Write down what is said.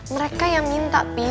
mereka yang minta pi